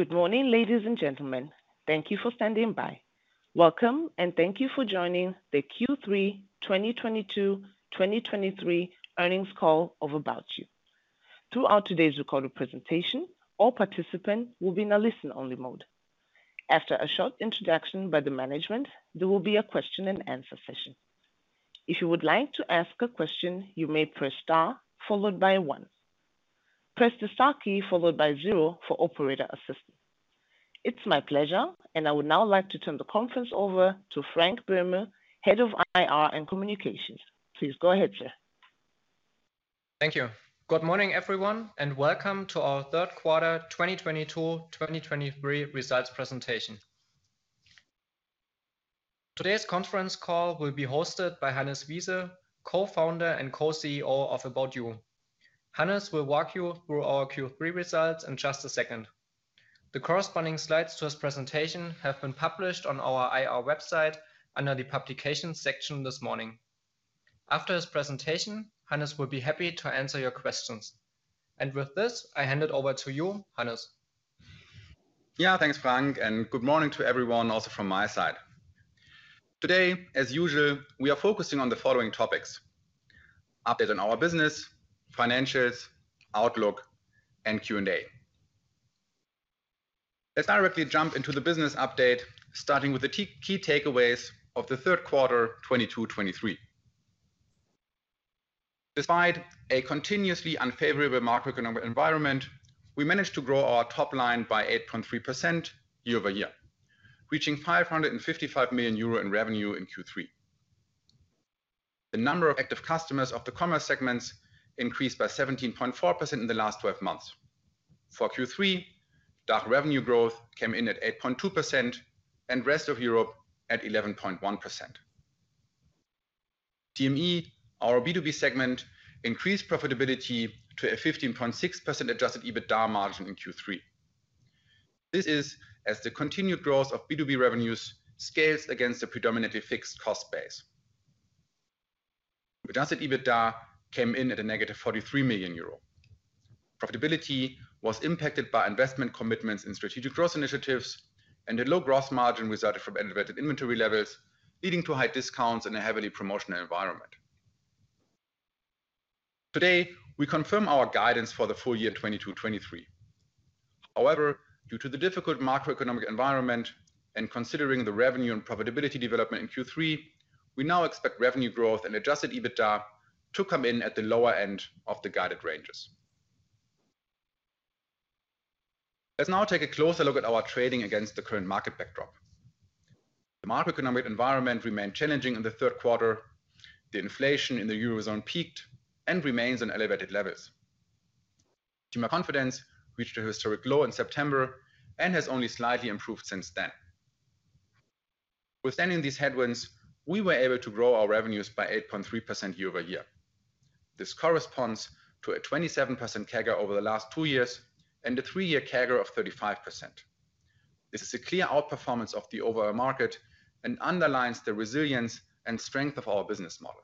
Good morning, ladies and gentlemen. Thank you for standing by. Welcome, thank you for joining the Q3 2022/2023 Earnings Call of About You. Throughout today's recorded presentation, all participants will be in a listen-only mode. After a short introduction by the management, there will be a question and answer session. If you would like to ask a question, you may press star followed by one. Press the star key followed by zero for operator assistance. It's my pleasure, I would now like to turn the conference over to Frank Böhme, Head of IR and Communications. Please go ahead, sir. Thank you. Good morning, everyone, and welcome to our third quarter 2022/2023 results presentation. Today's conference call will be hosted by Hannes Wiese, Co-Founder and Co-CEO of About You. Hannes will walk you through our Q3 results in just a second. The corresponding slides to his presentation have been published on our IR website under the Publications section this morning. After his presentation, Hannes will be happy to answer your questions. With this, I hand it over to you, Hannes. Thanks, Frank, and good morning to everyone also from my side. Today, as usual, we are focusing on the following topics: update on our business, financials, outlook, and Q&A. Let's directly jump into the business update, starting with the key takeaways of the third quarter 2022/2023. Despite a continuously unfavorable macroeconomic environment, we managed to grow our top line by 8.3% year-over-year, reaching 555 million euro in revenue in Q3. The number of active customers of the commerce segments increased by 17.4% in the last 12 months. For Q3, DACH revenue growth came in at 8.2% and Rest of Europe at 11.1%. TME, our B2B segment, increased profitability to a 15.6% Adjusted EBITDA margin in Q3. This is as the continued growth of B2B revenues scales against a predominantly fixed cost base. Adjusted EBITDA came in at a negative 43 million euro. Profitability was impacted by investment commitments in strategic growth initiatives and a low gross margin resulted from elevated inventory levels, leading to high discounts in a heavily promotional environment. Today, we confirm our guidance for the full year 2023. Due to the difficult macroeconomic environment and considering the revenue and profitability development in Q3, we now expect revenue growth and Adjusted EBITDA to come in at the lower end of the guided ranges. Let's now take a closer look at our trading against the current market backdrop. The macroeconomic environment remained challenging in the third quarter. The inflation in the Eurozone peaked and remains on elevated levels. Consumer confidence reached a historic low in September and has only slightly improved since then. Withstanding these headwinds, we were able to grow our revenues by 8.3% year-over-year. This corresponds to a 27% CAGR over the last two years, and a three-year CAGR of 35%. This is a clear outperformance of the overall market and underlines the resilience and strength of our business model.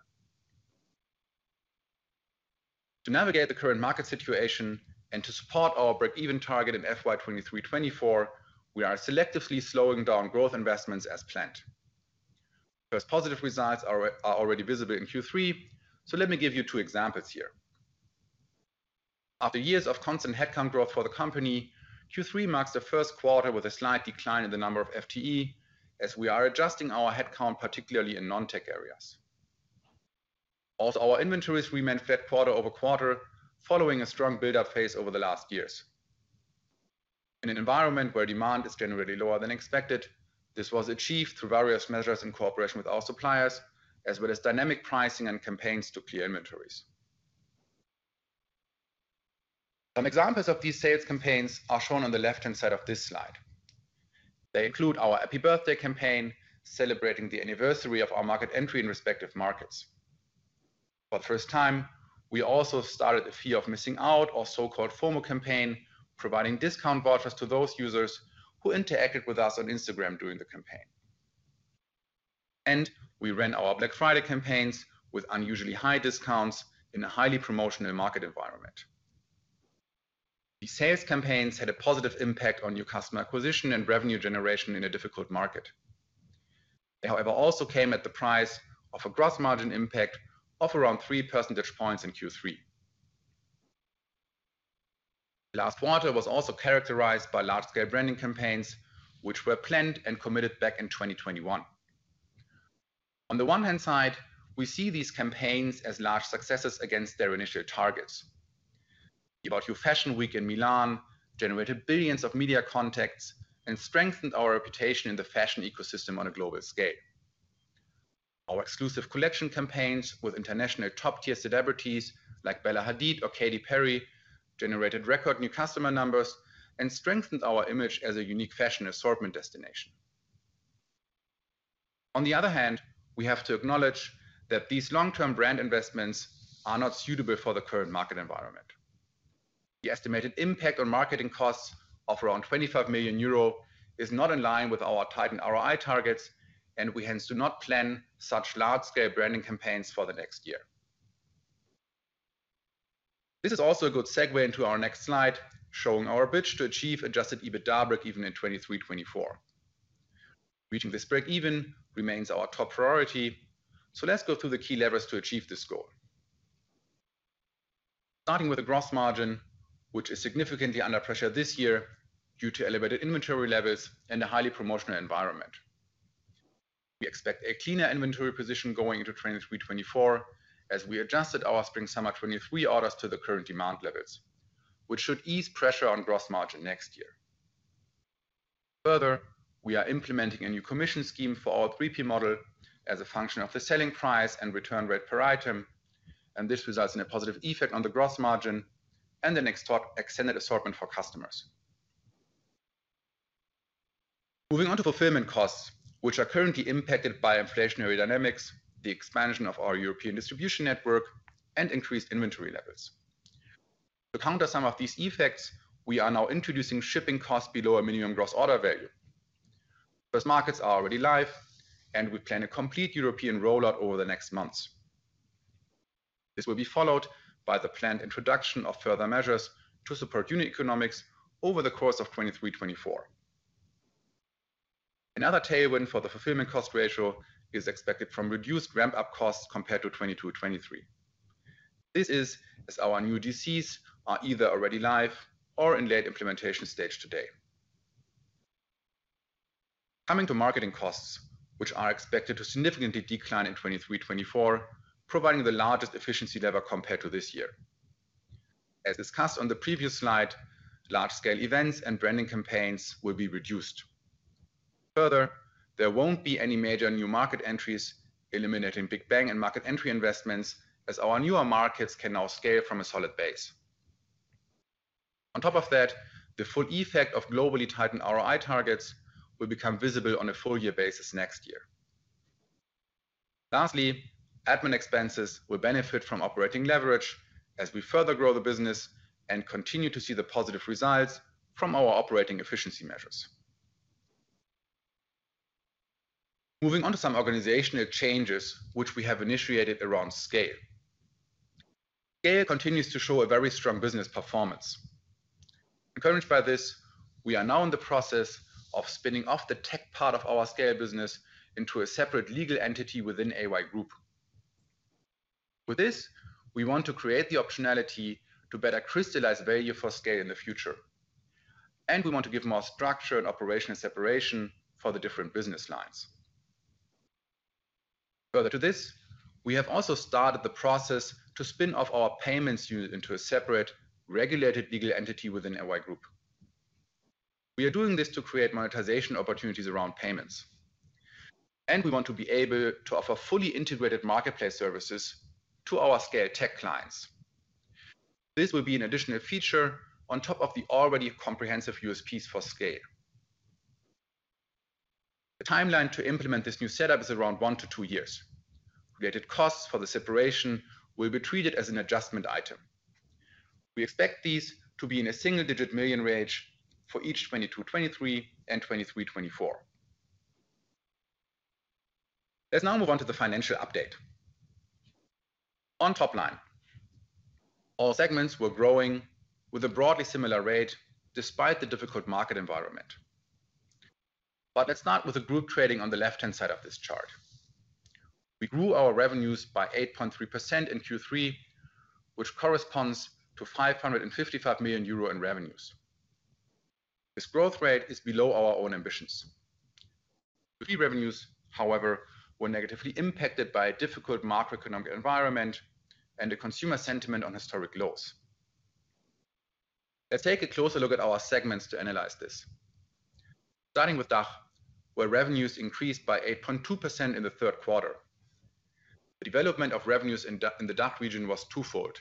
To navigate the current market situation and to support our break-even target in FY 2023/2024, we are selectively slowing down growth investments as planned. First positive results are already visible in Q3, so let me give you two examples here. After years of constant headcount growth for the company, Q3 marks the first quarter with a slight decline in the number of FTEs as we are adjusting our headcount, particularly in non-tech areas. Also, our inventories remained flat quarter-over-quarter following a strong build-up phase over the last years. In an environment where demand is generally lower than expected, this was achieved through various measures in cooperation with our suppliers, as well as dynamic pricing and campaigns to clear inventories. Some examples of these sales campaigns are shown on the left-hand side of this slide. They include our Happy Birthday campaign, celebrating the anniversary of our market entry in respective markets. For the first time, we also started a fear of missing out or so-called FOMO campaign, providing discount vouchers to those users who interacted with us on Instagram during the campaign. And we ran our Black Friday campaigns with unusually high discounts in a highly promotional market environment. These sales campaigns had a positive impact on new customer acquisition and revenue generation in a difficult market. They, however, also came at the price of a gross margin impact of around 3 percentage points in Q3. Last quarter was also characterized by large-scale branding campaigns which were planned and committed back in 2021. On the one hand side, we see these campaigns as large successes against their initial targets. The About You Fashion Week in Milan generated billions of media contacts and strengthened our reputation in the fashion ecosystem on a global scale. Our exclusive collection campaigns with international top-tier celebrities like Bella Hadid or Katy Perry generated record new customer numbers and strengthened our image as a unique fashion assortment destination. On the other hand, we have to acknowledge that these long-term brand investments are not suitable for the current market environment. The estimated impact on marketing costs of around 25 million euro is not in line with our tightened ROI targets. We hence do not plan such large-scale branding campaigns for the next year. This is also a good segue into our next slide, showing our pitch to achieve Adjusted EBITDA breakeven in 2023, 2024. Reaching this breakeven remains our top priority. Let's go through the key levers to achieve this goal. Starting with the gross margin, which is significantly under pressure this year due to elevated inventory levels and a highly promotional environment. We expect a cleaner inventory position going into 2023, 2024 as we adjusted our spring/summer 2023 orders to the current demand levels, which should ease pressure on gross margin next year. Further, we are implementing a new commission scheme for our 3P model as a function of the selling price and return rate per item, and this results in a positive effect on the gross margin and an extended assortment for customers. Moving on to fulfillment costs, which are currently impacted by inflationary dynamics, the expansion of our European distribution network, and increased inventory levels. To counter some of these effects, we are now introducing shipping costs below our minimum gross order value. First markets are already live, and we plan a complete European rollout over the next months. This will be followed by the planned introduction of further measures to support unit economics over the course of 2023, 2024. Another tailwind for the fulfillment cost ratio is expected from reduced ramp-up costs compared to 2022, 2023. This is as our new DCs are either already live or in late implementation stage today. Coming to marketing costs, which are expected to significantly decline in 2023, 2024, providing the largest efficiency lever compared to this year. As discussed on the previous slide, large-scale events and branding campaigns will be reduced. Further, there won't be any major new market entries eliminating big bang and market entry investments, as our newer markets can now scale from a solid base. On top of that, the full effect of globally tightened ROI targets will become visible on a full year basis next year. Lastly. Admin expenses will benefit from operating leverage as we further grow the business and continue to see the positive results from our operating efficiency measures. Moving on to some organizational changes which we have initiated around SCAYLE. SCAYLE continues to show a very strong business performance. Encouraged by this, we are now in the process of spinning off the tech part of our SCAYLE business into a separate legal entity within AY Group. We want to create the optionality to better crystallize value for SCAYLE in the future. And we want to give more structure and operational separation for the different business lines. Further to this, we have also started the process to spin off our payments unit into a separate regulated legal entity within AY Group. We are doing this to create monetization opportunities around payments, and we want to be able to offer fully integrated marketplace services to our SCAYLE tech clients. This will be an additional feature on top of the already comprehensive USPs for SCAYLE. The timeline to implement this new setup is around one to two years. Related costs for the separation will be treated as an adjustment item. We expect these to be in a single-digit million range for each 2022, 2023 and 2023, 2024. Let's now move on to the financial update. On top line, all segments were growing with a broadly similar rate despite the difficult market environment. Let's start with the group trading on the left-hand side of this chart. We grew our revenues by 8.3% in Q3, which corresponds to 555 million euro in revenues. This growth rate is below our own ambitions. Key revenues, however, were negatively impacted by a difficult macroeconomic environment and a consumer sentiment on historic lows. Let's take a closer look at our segments to analyze this. Starting with DACH, where revenues increased by 8.2% in the third quarter. The development of revenues in the DACH region was twofold.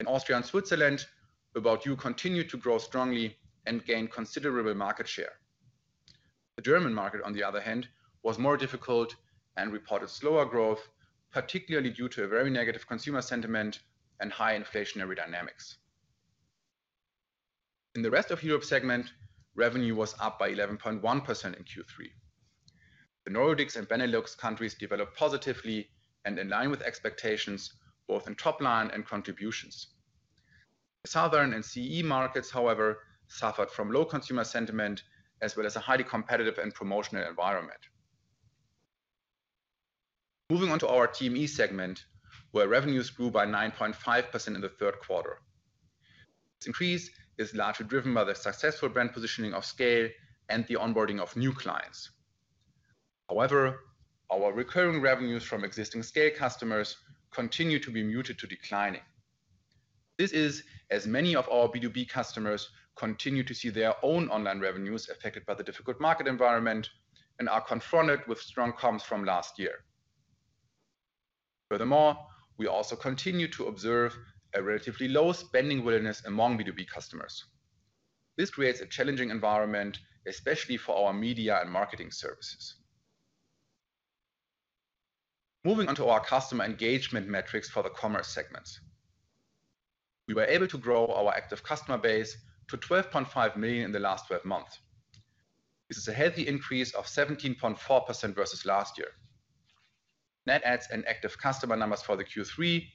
In Austria and Switzerland, About You continued to grow strongly and gain considerable market share. The German market, on the other hand, was more difficult and reported slower growth, particularly due to a very negative consumer sentiment and high inflationary dynamics. In the rest of Europe segment, revenue was up by 11.1% in Q3. The Nordics and Benelux countries developed positively and in line with expectations, both in top line and contributions. Southern and CE markets, however, suffered from low consumer sentiment as well as a highly competitive and promotional environment. Moving on to our TME segment, where revenues grew by 9.5% in the third quarter. This increase is largely driven by the successful brand positioning of SCAYLE and the onboarding of new clients. However, our recurring revenues from existing SCAYLE customers continue to be muted to declining. This is as many of our B2B customers continue to see their own online revenues affected by the difficult market environment and are confronted with strong comps from last year. We also continue to observe a relatively low spending willingness among B2B customers. This creates a challenging environment, especially for our media and marketing services. Moving on to our customer engagement metrics for the commerce segments. We were able to grow our active customer base to 12.5 million in the last 12 months. This is a healthy increase of 17.4% versus last year. Net adds and active customer numbers for the Q3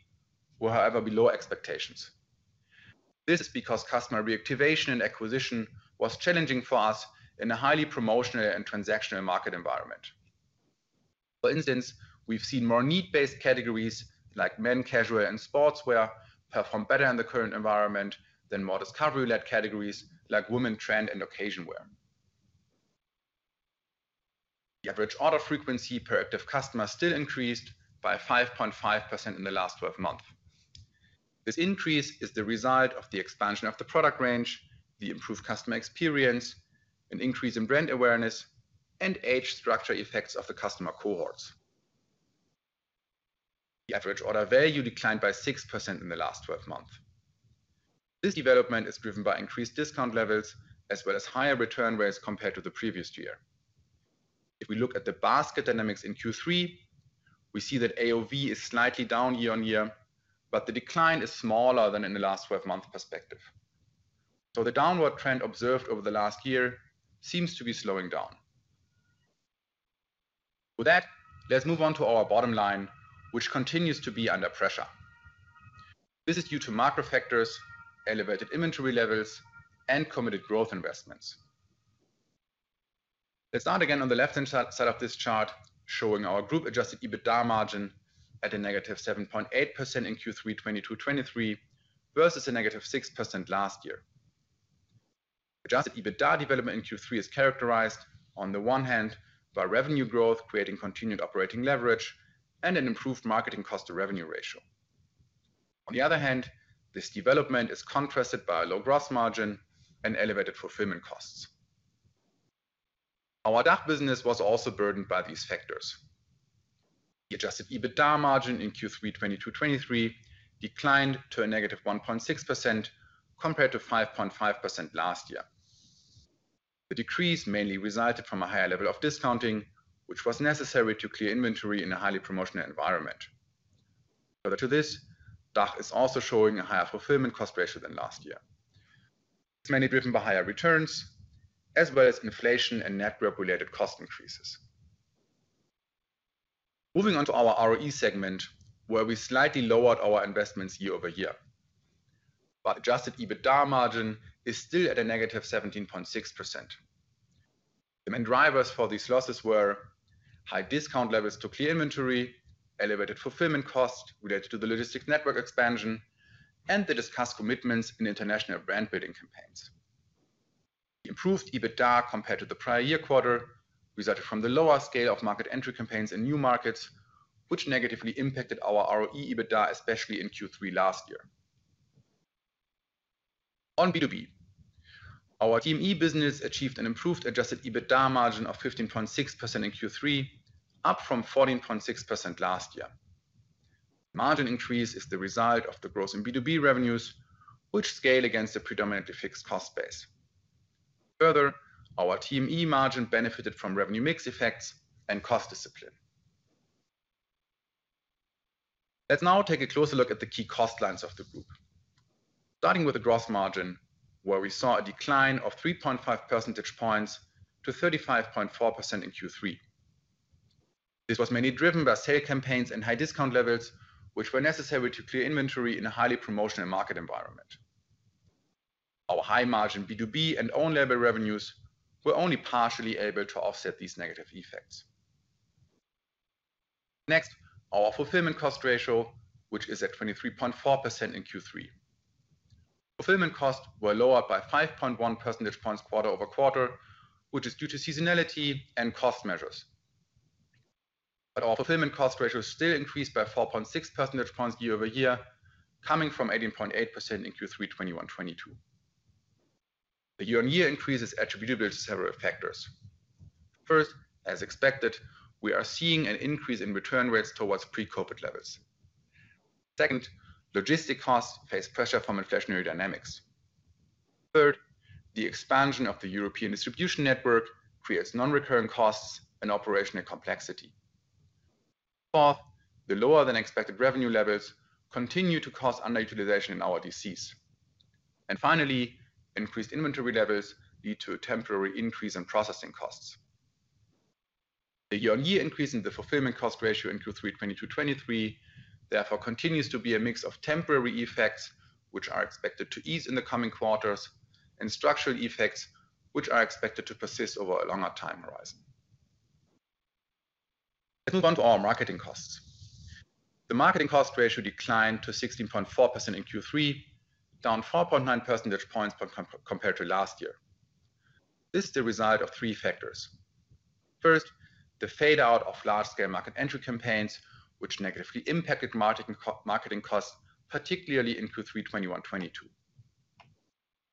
were however below expectations. This is because customer reactivation and acquisition was challenging for us in a highly promotional and transactional market environment. For instance, we've seen more need-based categories like men casual and sportswear perform better in the current environment than more discovery-led categories like women trend and occasion wear. The average order frequency per active customer still increased by 5.5% in the last 12 months. This increase is the result of the expansion of the product range, the improved customer experience, an increase in brand awareness, and age structure effects of the customer cohorts. The average order value declined by 6% in the last 12 months. This development is driven by increased discount levels as well as higher return rates compared to the previous year. If we look at the basket dynamics in Q3, we see that AOV is slightly down year-on-year, but the decline is smaller than in the last 12-month perspective. The downward trend observed over the last year seems to be slowing down. With that, let's move on to our bottom line, which continues to be under pressure. This is due to macro factors, elevated inventory levels, and committed growth investments. Let's start again on the left-hand side of this chart showing our Group Adjusted EBITDA margin at a -7.8% in Q3 2022, 2023 versus a -6% last year. Adjusted EBITDA development in Q3 is characterized on the one hand by revenue growth creating continued operating leverage and an improved marketing cost to revenue ratio. On the other hand, this development is contrasted by a low gross margin and elevated fulfillment costs. Our DACH business was also burdened by these factors. The Adjusted EBITDA margin in Q3 2022, 2023 declined to a -1.6% compared to 5.5% last year. The decrease mainly resulted from a higher level of discounting, which was necessary to clear inventory in a highly promotional environment. Further to this, DACH is also showing a higher fulfillment cost ratio than last year. It's mainly driven by higher returns as well as inflation and network-related cost increases. Moving on to our RoE segment, where we slightly lowered our investments year-over-year. Adjusted EBITDA margin is still at a negative 17.6%. The main drivers for these losses were high discount levels to clear inventory, elevated fulfillment costs related to the logistic network expansion, and the discussed commitments in international brand-building campaigns. The improved EBITDA compared to the prior-year quarter resulted from the lower scale of market entry campaigns in new markets, which negatively impacted our RoE EBITDA, especially in Q3 last year. On B2B, our TME business achieved an improved Adjusted EBITDA margin of 15.6% in Q3, up from 14.6% last year. Margin increase is the result of the growth in B2B revenues, which scale against a predominantly fixed cost base. Our TME margin benefited from revenue mix effects and cost discipline. Let's now take a closer look at the key cost lines of the group. Starting with the gross margin, where we saw a decline of 3.5 percentage points to 35.4% in Q3. This was mainly driven by sale campaigns and high discount levels, which were necessary to clear inventory in a highly promotional market environment. Our high-margin B2B and own label revenues were only partially able to offset these negative effects. Our fulfillment cost ratio, which is at 23.4% in Q3. Fulfillment costs were lower by 5.1 percentage points quarter-over-quarter, which is due to seasonality and cost measures. Our fulfillment cost ratio still increased by 4.6 percentage points year-over-year, coming from 18.8 in Q3 2021, 2022. The year-on-year increase is attributable to several factors. First, as expected, we are seeing an increase in return rates towards pre-COVID levels. Second, logistic costs face pressure from inflationary dynamics. Third, the expansion of the European distribution network creates non-recurring costs and operational complexity. Fourth, the lower than expected revenue levels continue to cause underutilization in our DCs. Finally, increased inventory levels lead to a temporary increase in processing costs. The year-on-year increase in the fulfillment cost ratio in Q3 2022, 2023 therefore continues to be a mix of temporary effects, which are expected to ease in the coming quarters, and structural effects, which are expected to persist over a longer time horizon. Let's move on to our marketing costs. The marketing cost ratio declined to 16.4% in Q3, down 4.9 percentage points compared to last year. This is the result of three factors. First, the fade-out of large-scale market entry campaigns, which negatively impacted marketing costs, particularly in Q3 2021, 2022.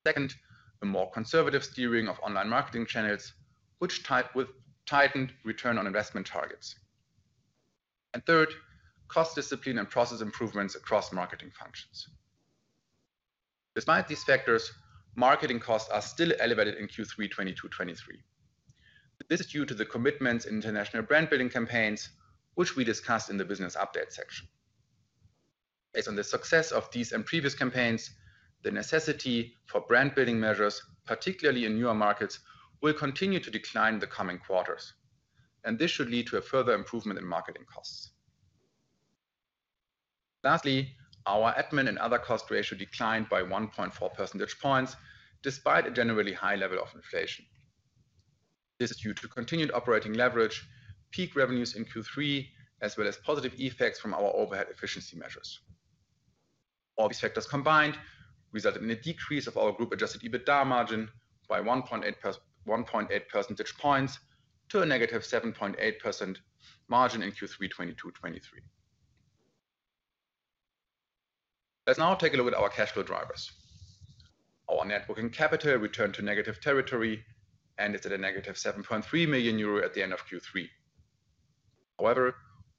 Second, a more conservative steering of online marketing channels, which tightened ROI targets. Third, cost discipline and process improvements across marketing functions. Despite these factors, marketing costs are still elevated in Q3 2022, 2023. This is due to the commitments in international brand-building campaigns, which we discussed in the business update section. Based on the success of these and previous campaigns, the necessity for brand-building measures, particularly in newer markets, will continue to decline in the coming quarters. This should lead to a further improvement in marketing costs. Lastly, our admin and other cost ratio declined by 1.4 percentage points despite a generally high level of inflation. This is due to continued operating leverage, peak revenues in Q3, as well as positive effects from our overhead efficiency measures. All these factors combined resulted in a decrease of our group-Adjusted EBITDA margin by 1.8 percentage points to a negative 7.8% margin in Q3 2022-2023. Let's now take a look at our cash flow drivers. Our net working capital returned to negative territory and is at a negative 7.3 million euro at the end of Q3.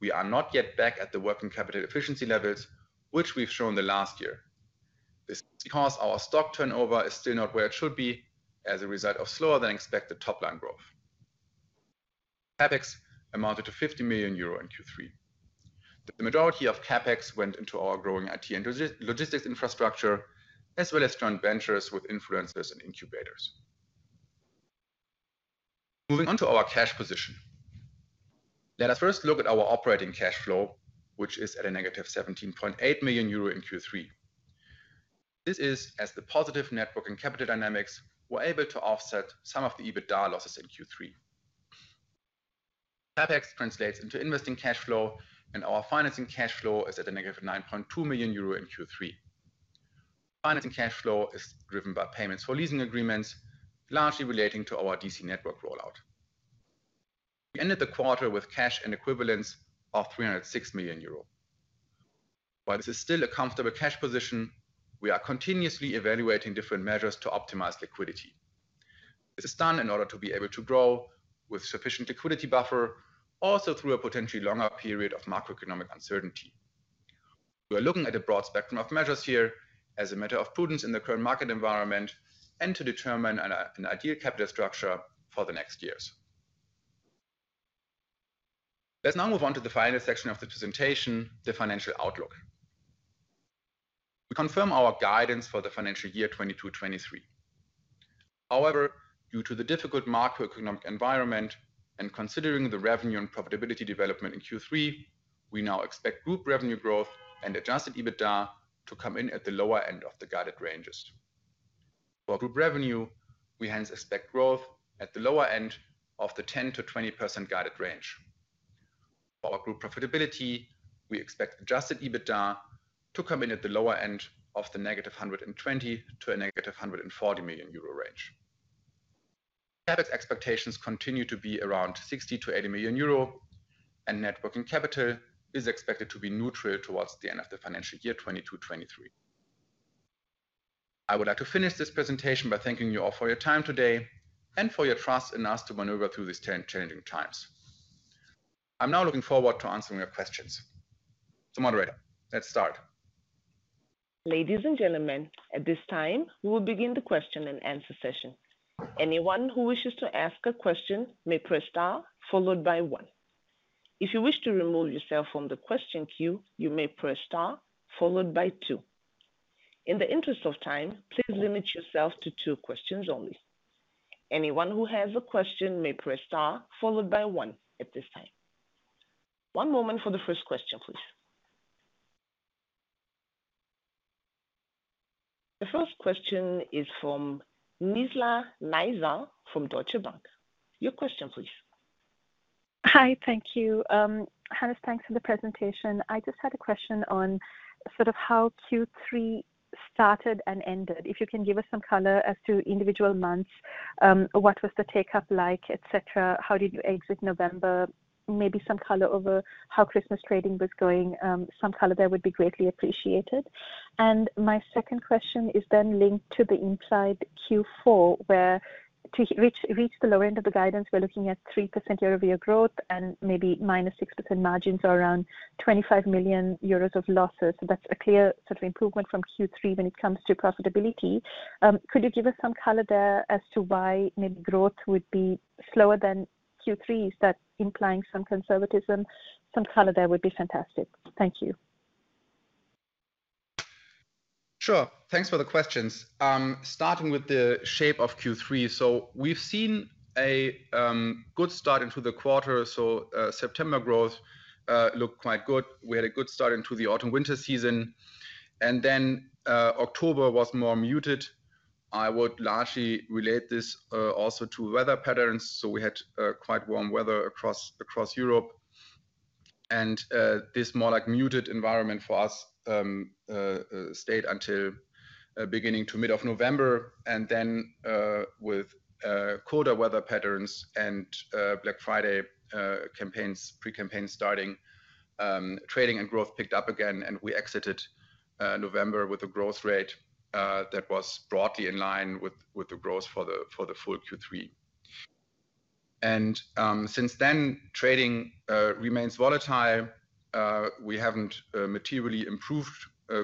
We are not yet back at the working capital efficiency levels which we've shown the last year. This is because our stock turnover is still not where it should be as a result of slower than expected top line growth. CapEx amounted to 50 million euro in Q3. The majority of CapEx went into our growing IT and logistics infrastructure, as well as joint ventures with influencers and incubators. Moving on to our cash position. Let us first look at our operating cash flow, which is at a negative 17.8 million euro in Q3. This is as the positive net working capital dynamics were able to offset some of the EBITDA losses in Q3. CapEx translates into investing cash flow, and our financing cash flow is at a negative 9.2 million euro in Q3. Financing cash flow is driven by payments for leasing agreements, largely relating to our DC network rollout. We ended the quarter with cash and equivalents of 306 million euro. While this is still a comfortable cash position, we are continuously evaluating different measures to optimize liquidity. This is done in order to be able to grow with sufficient liquidity buffer, also through a potentially longer period of macroeconomic uncertainty. We are looking at a broad spectrum of measures here as a matter of prudence in the current market environment and to determine an ideal capital structure for the next years. Let's now move on to the final section of the presentation, the financial outlook. We confirm our guidance for the financial year 2022-2023. Due to the difficult macroeconomic environment and considering the revenue and profitability development in Q3, we now expect group revenue growth and Adjusted EBITDA to come in at the lower end of the guided ranges. For group revenue, we hence expect growth at the lower end of the 10%-20% guided range. For our group profitability, we expect Adjusted EBITDA to come in at the lower end of the -120 million--140 million euro range. CapEx expectations continue to be around 60 million-80 million euro, and net working capital is expected to be neutral towards the end of the financial year 2022-2023. I would like to finish this presentation by thanking you all for your time today and for your trust in us to maneuver through these changing times. I'm now looking forward to answering your questions. Moderator, let's start. Ladies and gentlemen, at this time, we will begin the question and answer session. Anyone who wishes to ask a question may press star followed by one. If you wish to remove yourself from the question queue, you may press star followed by two. In the interest of time, please limit yourself to two questions only. Anyone who has a question may press star followed by one at this time. One moment for the first question, please. The first question is from Nizla Naizer from Deutsche Bank. Your question please. Hi. Thank you. Hannes, thanks for the presentation. I just had a question on sort of how Q3 started and ended. If you can give us some color as to individual months, what was the take-up like, et cetera? How did you exit November? Maybe some color over how Christmas trading was going. Some color there would be greatly appreciated. My second question is linked to the implied Q4, where to reach the lower end of the guidance, we're looking at 3% year-over-year growth and maybe -6% margins or around 25 million euros of losses. That's a clear sort of improvement from Q3 when it comes to profitability. Could you give us some color there as to why maybe growth would be slower than Q3? Is that implying some conservatism? Some color there would be fantastic. Thank you. Sure. Thanks for the questions. Starting with the shape of Q3. We've seen a good start into the quarter. September growth looked quite good. We had a good start into the autumn-winter season. October was more muted. I would largely relate this also to weather patterns. We had quite warm weather across Europe. This more like muted environment for us stayed until beginning to mid of November. With colder weather patterns and Black Friday campaigns, pre-campaign starting, trading and growth picked up again and we exited November with a growth rate that was broadly in line with the growth for the full Q3. Since then, trading remains volatile. We haven't materially improved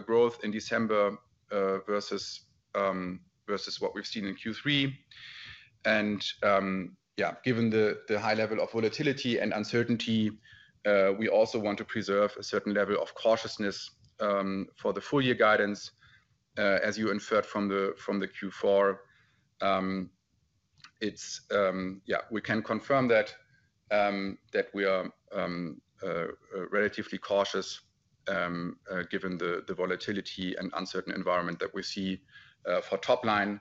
growth in December versus what we've seen in Q3. Yeah, given the high level of volatility and uncertainty, we also want to preserve a certain level of cautiousness for the full year guidance. As you inferred from the Q4, it's... Yeah, we can confirm that we are relatively cautious given the volatility and uncertain environment that we see for top line.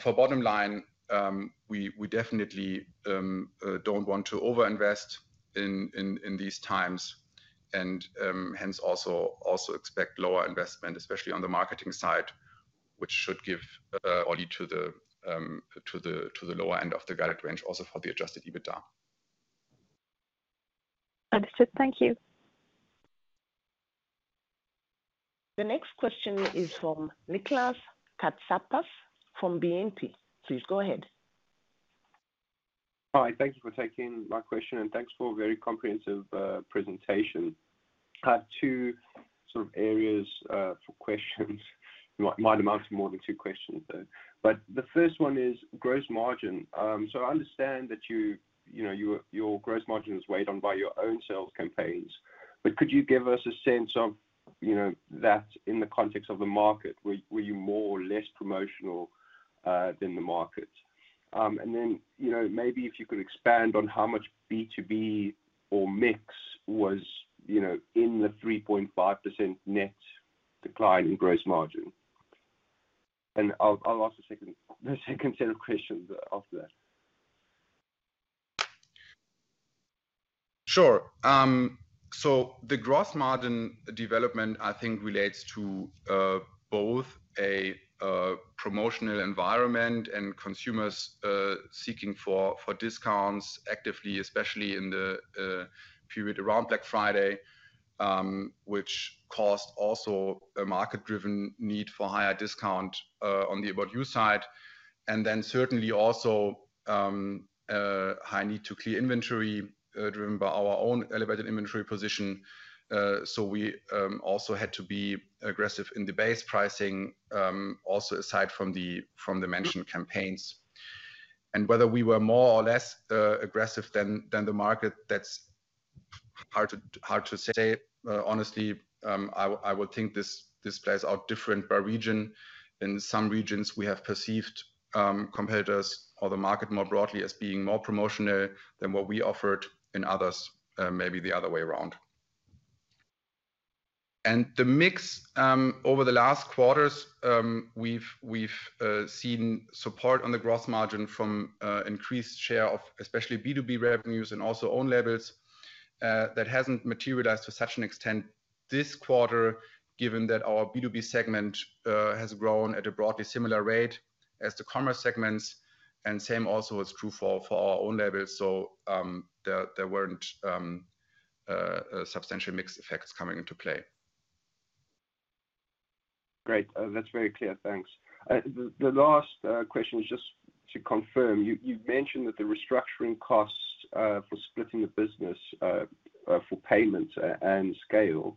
For bottom line, we definitely don't want to over-invest in these times and hence also expect lower investment, especially on the marketing side, which should give or lead to the lower end of the guided range also for the Adjusted EBITDA. Understood. Thank you. The next question is from Nicolas Katsapas from BNP. Please go ahead. Hi, thank you for taking my question, and thanks for a very comprehensive presentation. I have two sort of areas for questions. It might amount to more than two questions, though. The first one is gross margin. I understand that you know, your gross margin is weighed on by your own sales campaigns, but could you give us a sense of, you know, that in the context of the market, were you more or less promotional than the market? Then, you know, maybe if you could expand on how much B2B or mix was, you know, in the 3.5% net decline in gross margin. I'll ask the second set of questions after that. Sure. The gross margin development, I think, relates to both a promotional environment and consumers seeking for discounts actively, especially in the period around Black Friday, which caused also a market-driven need for higher discount on the About You side. Certainly also a high need to clear inventory, driven by our own elevated inventory position. We also had to be aggressive in the base pricing, also aside from the mentioned campaigns. Whether we were more or less aggressive than the market, that's hard to say. Honestly, I would think this plays out different per region. In some regions we have perceived competitors or the market more broadly as being more promotional than what we offered. In others, maybe the other way around. And the mix, over the last quarters, we've seen support on the gross margin from increased share of especially B2B revenues and also own labels. That hasn't materialized to such an extent this quarter, given that our B2B segment has grown at a broadly similar rate as the commerce segments and same also is true for our own labels. There weren't substantial mix effects coming into play. Great. That's very clear. Thanks. The last question was just to confirm, you've mentioned that the restructuring costs for splitting the business for payments and SCAYLE,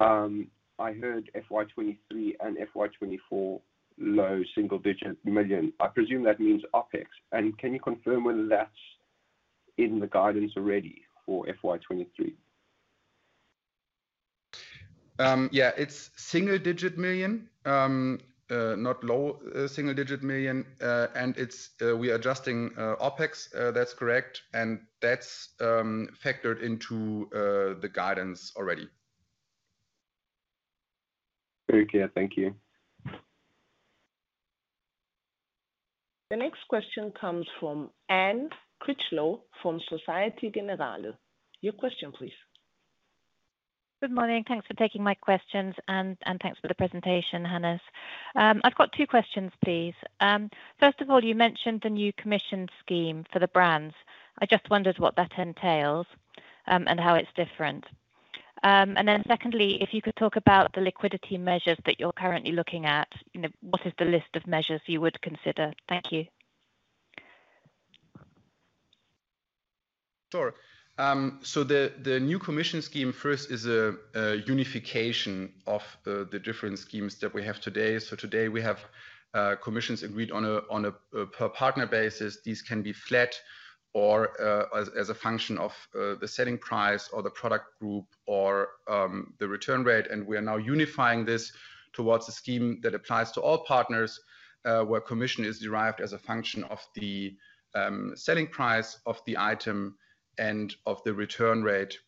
I heard FY 2023 and FY 2024 low single digit million. I presume that means OpEx. Can you confirm whether that's in the guidance already for FY 2023? Yeah, it's single digit million, not low, single digit million. It's, we are adjusting OpEx, that's correct. That's factored into the guidance already. Very clear. Thank you. The next question comes from Anne Critchlow from Societe Generale. Your question please. Good morning. Thanks for taking my questions and thanks for the presentation, Hannes. I've got two questions, please. First of all, you mentioned the new commission scheme for the brands. I just wondered what that entails, and how it's different. Secondly, if you could talk about the liquidity measures that you're currently looking at. You know, what is the list of measures you would consider? Thank you. Sure. The new commission scheme first is a unification of the different schemes that we have today. Today we have commissions agreed on a per partner basis. These can be flat or as a function of the selling price or the product group or the return rate. We are now unifying this towards a scheme that applies to all partners, where commission is derived as a function of the selling price of the item and of the return rate.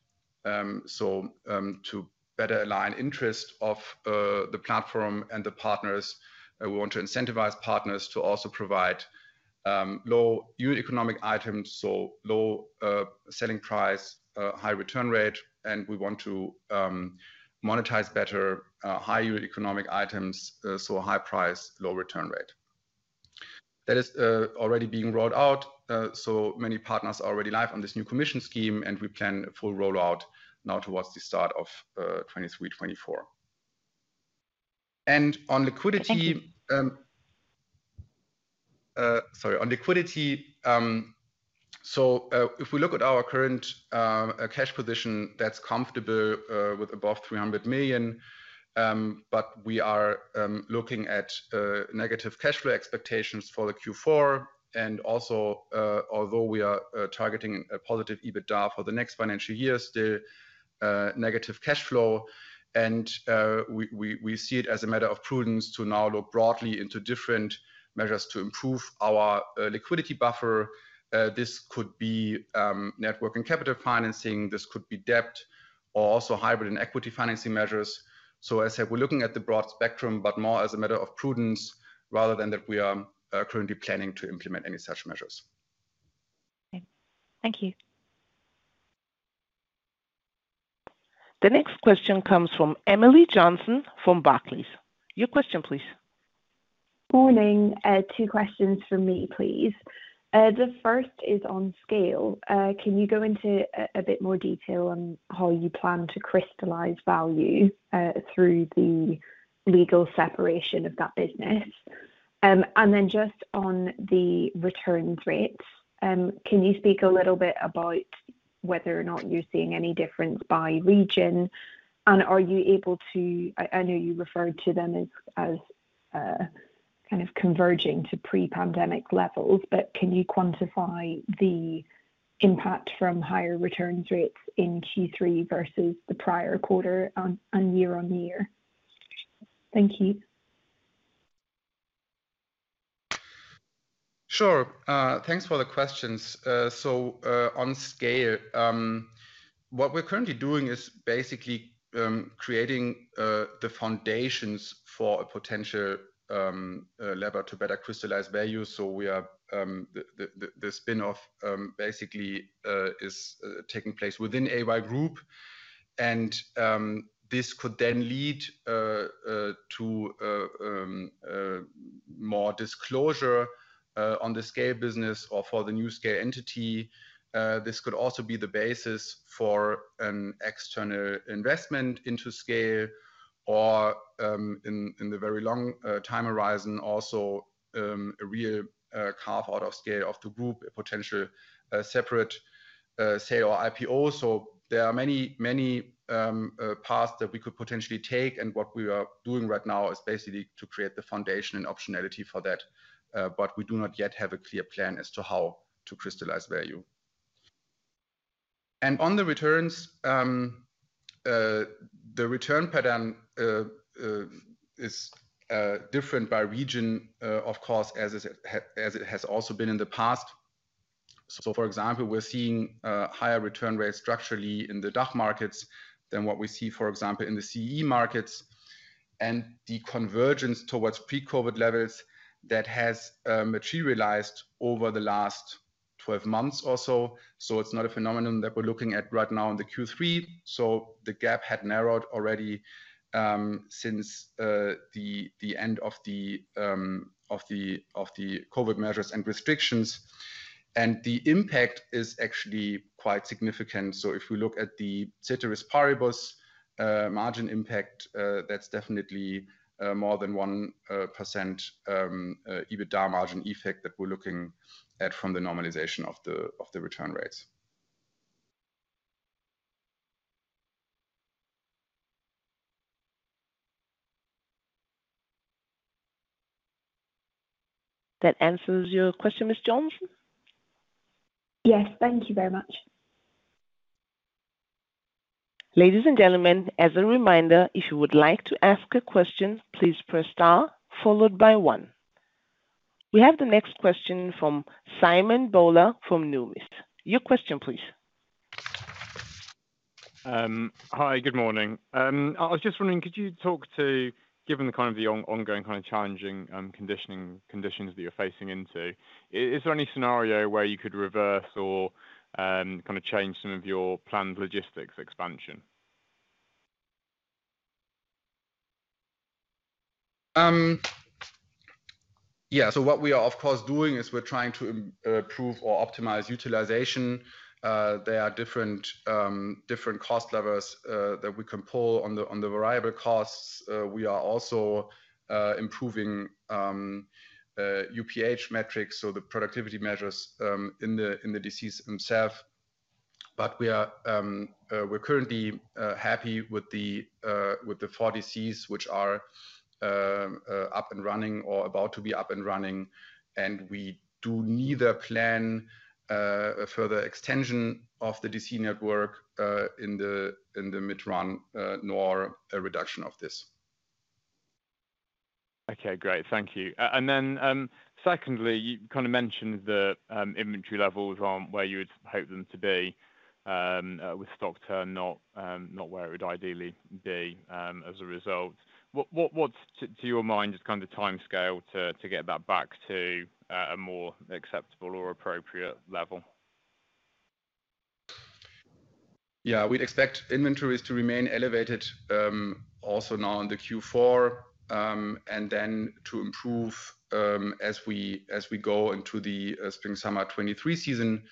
So, to better align interest of the platform and the partners, we want to incentivize partners to also provide low yield economic items, so low selling price, high return rate, and we want to monetize better high yield economic items, so a high price, low return rate. That is already being rolled out. Many partners are already live on this new commission scheme, and we plan a full rollout now towards the start of 2023, 2024. On liquidity- On liquidity, if we look at our current cash position, that's comfortable, with above 300 million. We are looking at negative cash flow expectations for the Q4. Although we are targeting a positive EBITDA for the next financial year, still, negative cash flow. We see it as a matter of prudence to now look broadly into different measures to improve our liquidity buffer. This could be net working capital financing, this could be debt or also hybrid and equity financing measures. I said we're looking at the broad spectrum, but more as a matter of prudence rather than that we are currently planning to implement any such measures. Okay. Thank you. The next question comes from Emily Johnson from Barclays. Your question please. Morning. Two questions from me, please. The first is on SCAYLE. Can you go into a bit more detail on how you plan to crystallize value through the legal separation of that business? Just on the return rates, can you speak a little bit about whether or not you're seeing any difference by region? Are you able to, I know you referred to them as kind of converging to pre-pandemic levels, but can you quantify the impact from higher returns rates in Q3 versus the prior quarter on, and year-on-year? Thank you. Sure. Thanks for the questions. On SCAYLE, what we're currently doing is basically creating the foundations for a potential lever to better crystallize value. We are the spin-off basically is taking place within AY Group. This could then lead to more disclosure on the SCAYLE business or for the new SCAYLE entity. This could also be the basis for an external investment into SCAYLE or in the very long time horizon, also a real carve-out of SCAYLE of the group, a potential separate sale or IPO. There are many, many paths that we could potentially take, and what we are doing right now is basically to create the foundation and optionality for that. But we do not yet have a clear plan as to how to crystallize value. On the returns, the return pattern is different by region, of course, as it has also been in the past. For example, we're seeing higher return rates structurally in the DACH markets than what we see, for example, in the CE markets and the convergence towards pre-COVID levels that has materialized over the last 12 months or so. It's not a phenomenon that we're looking at right now in the Q3. The gap had narrowed already since the end of the COVID measures and restrictions. The impact is actually quite significant. If we look at the ceteris paribus, margin impact, that's definitely more than 1% EBITDA margin effect that we're looking at from the normalization of the return rates. That answers your question, Ms. Johnson? Yes. Thank you very much. Ladies and gentlemen, as a reminder, if you would like to ask a question, please press star followed by one. We have the next question from Simon Bowler from Numis. Your question please. Hi. Good morning. I was just wondering, could you talk to, given the kind of the ongoing kind of challenging conditions that you're facing into, Is there any scenario where you could reverse or kind of change some of your planned logistics expansion? Yeah. What we are of course doing is we're trying to improve or optimize utilization. There are different cost levers that we can pull on the variable costs. We are also improving UPH metrics, so the productivity measures in the DCs themselves. We're currently happy with the four DCs which are up and running or about to be up and running. We do neither plan a further extension of the DC network in the mid-run nor a reduction of this. Okay. Great. Thank you. Secondly, you kind of mentioned the inventory levels aren't where you would hope them to be, with stock turn not where it would ideally be, as a result. What to your mind is kind of the timescale to get that back to a more acceptable or appropriate level? Yeah. We'd expect inventories to remain elevated, also now in the Q4, and then to improve as we go into the spring/summer 2023 season.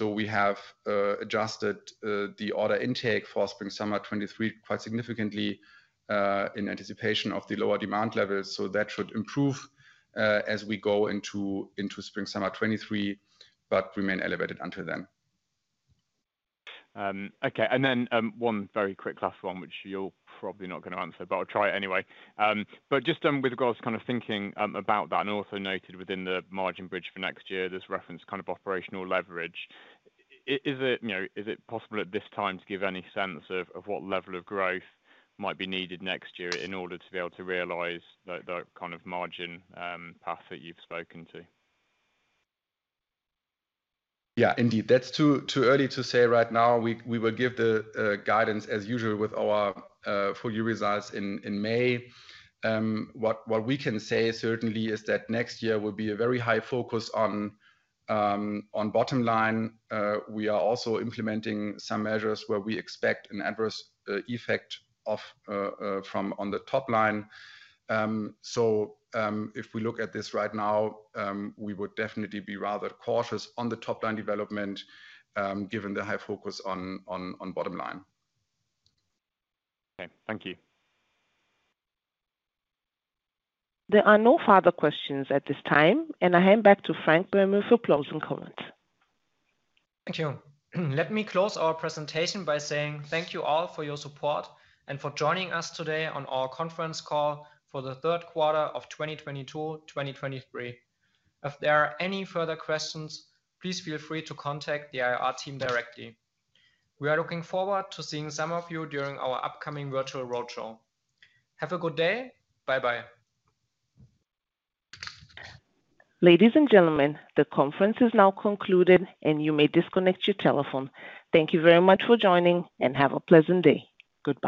We have adjusted the order intake for spring/summer 2023 quite significantly in anticipation of the lower demand levels. That should improve as we go into spring/summer 2023, but remain elevated until then. Okay. And then, one very quick last one, which you're probably not gonna answer, but I'll try it anyway. Just, with regards to kind of thinking about that and also noted within the margin bridge for next year, there's reference kind of operational leverage. Is it, you know, is it possible at this time to give any sense of what level of growth might be needed next year in order to be able to realize the kind of margin path that you've spoken to? Yeah, indeed. That's too early to say right now. We will give the guidance as usual with our full year results in May. What we can say certainly is that next year will be a very high focus on bottom line. We are also implementing some measures where we expect an adverse effect from on the top line. If we look at this right now, we would definitely be rather cautious on the top line development, given the high focus on bottom line. Okay. Thank you. There are no further questions at this time, and I hand back to Frank Böhme for closing comments. Thank you. Let me close our presentation by saying thank you all for your support and for joining us today on our conference call for the third quarter of 2022/2023. If there are any further questions, please feel free to contact the IR team directly. We are looking forward to seeing some of you during our upcoming virtual roadshow. Have a good day. Bye-bye. Ladies and gentlemen, the conference is now concluded and you may disconnect your telephone. Thank you very much for joining and have a pleasant day. Goodbye.